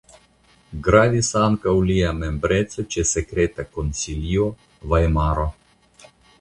Gravis ankaŭ lia membreco ĉe Sekreta konsilio (Vajmaro).